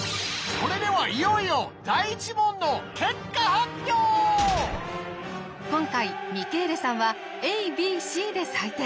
それではいよいよ今回ミケーレさんはＡＢＣで採点。